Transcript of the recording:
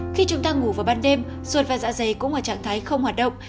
khi chúng ta ngủ vào ban đêm ruột và dạ dày cũng là trạng thái không hoạt động